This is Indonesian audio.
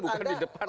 bukan di depan polisi